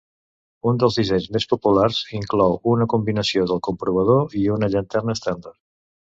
Un dels dissenys més populars inclou una combinació del comprovador i una llanterna estàndard.